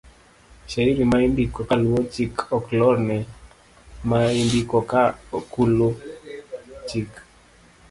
Shairi ma indiko ka luwo chik ok lorne ma indiko ka okolu chik.